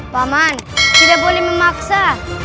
paman tidak boleh memaksa